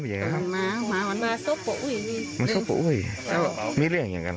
อันนั้นถึงเห็น